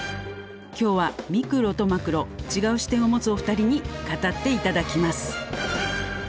今日はミクロとマクロ違う視点を持つお二人に語って頂きます。